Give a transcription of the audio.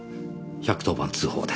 １１０番通報です。